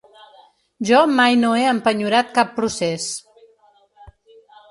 Jo mai no he empenyorat cap procés.